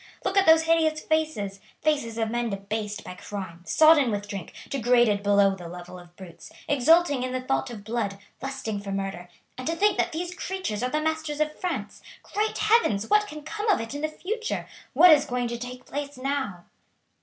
Look at those hideous faces faces of men debased by crime, sodden with drink, degraded below the level of brutes, exulting in the thought of blood, lusting for murder; and to think that these creatures are the masters of France. Great Heavens! What can come of it in the future? What is going to take place now?"